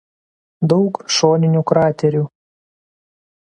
Daug šoninių kraterių.